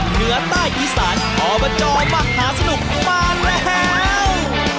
เหนือใต้อีสานอบจมหาสนุกมาแล้ว